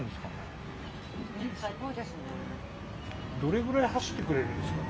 どれぐらい走ってくれるんですか。